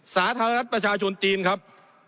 สาธารณรัฐประชาชนจีนครับ